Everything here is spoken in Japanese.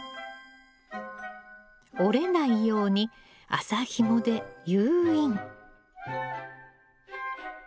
折れないように麻ひもで誘引。